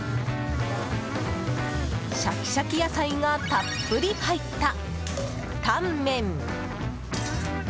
シャキシャキ野菜がたっぷり入ったタンメン！